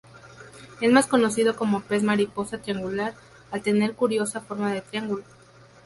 Es más conocido como pez mariposa triangular, al tener curiosa forma de triángulo.